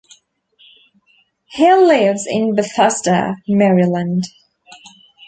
Hill lives in Bethesda, Maryland.